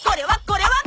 これは！？